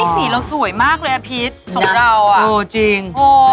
อุ๊ยสีเราสวยมากเลยอะพีชสองเราอะโอ้จริง